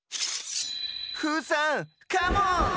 フーさんカモン！